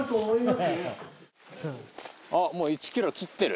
あっもう１ｋｍ切ってる。